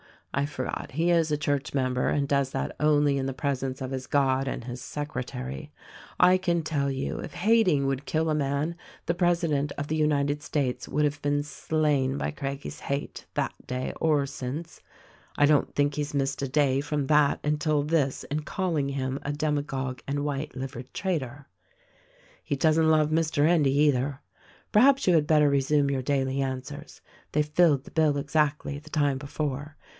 I forgot, he is a church member and does that only in the presence of his God and his secretary. I can tell you. if hating would kill a man the president of the United States would have been slain by Craggie's hate, that day or since. I don't think he's missed a day from that until this in call ing him a demagogue and white livered traitor. He doesn't love Mr. Endy either. Perhaps you had better resume your daily answers. They filled the bill exactly, the time before.